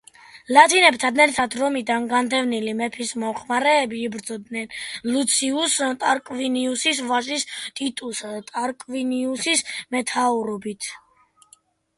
ლათინებთან ერთად რომიდან განდევნილი მეფის მომხრეების იბრძოდნენ, ლუციუს ტარკვინიუსის ვაჟის, ტიტუს ტარკვინიუსის მეთაურობით.